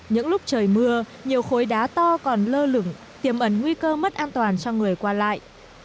những lúc trời mưa nhiều khối đá to còn lơ lửng tiềm ẩn nguy cơ mất an toàn cho người qua lại